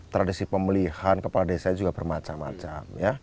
tradisi pemulihan kepala desa juga bermacam macam